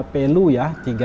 tiga pelu ya